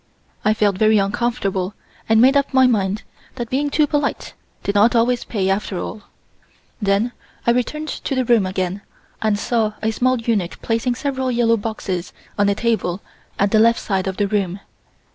I felt very uncomfortable and made up my mind that being too polite did not always pay after all. I then returned to the room again and saw a small eunuch placing several yellow boxes on a table at the left side of the room.